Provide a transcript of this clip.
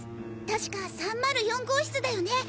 確か３０４号室だよね！